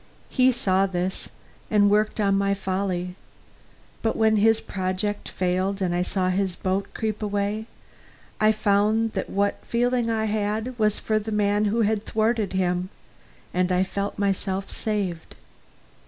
He saw this and worked on my folly; but when his project failed and I saw his boat creep away, I found that what feeling I had was for the man who had thwarted him, and I felt myself saved.